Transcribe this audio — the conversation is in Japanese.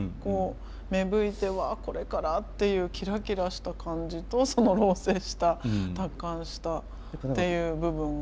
芽吹いてわこれからっていうキラキラした感じとその老成した達観したっていう部分が。